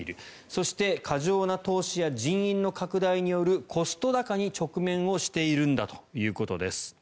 そして、過剰な投資や人員の拡大によるコスト高に直面をしているんだということです。